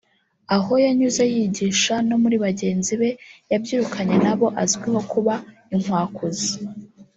Aho yanyuze yigisha no muri bagenzi be yabyirukanye na bo azwiho kuba ‘inkwakuzi’